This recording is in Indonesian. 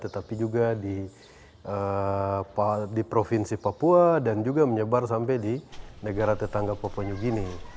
tetapi juga di provinsi papua dan juga menyebar sampai di negara tetangga papua new guinea